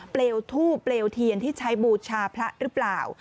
เปลวทูบเปลวเทียนที่ใช้บูชาพระหรือเปล่า